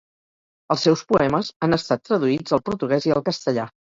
Els seus poemes han estat traduïts al portuguès i al castellà.